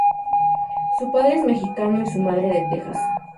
Su padre es mexicano y su madre de Texas.